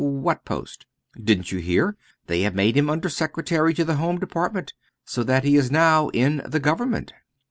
"What post?" "Didn't you hear? They have made him Under secretary to the Home Department. So that he is now in the Government."